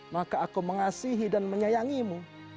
maka aku mengasihi dan menyayangimu